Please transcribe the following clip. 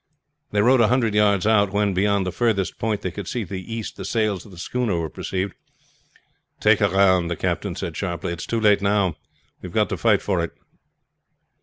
They rowed a hundred yards out, when, beyond the furthermost point they could see to the east, the sails of the schooner were perceived. "Take her round," the captain said sharply. "It's too late now, we have got to fight for it."